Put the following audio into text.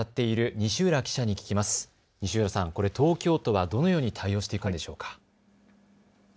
西浦さん、これ、東京都はどのように対応していくんでしょうか。